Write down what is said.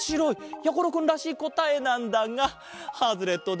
やころくんらしいこたえなんだがハズレットだ。